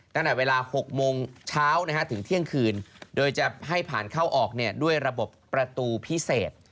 ตั้งแต่เวลา๖โมงเช้าถึงเที่ยงคืนโดยจะให้ผ่านเข้าออกด้วยระบบประตูพิเศษ